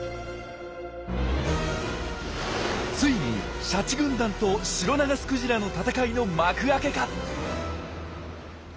ついにシャチ軍団とシロナガスクジラの闘いの幕開けか！？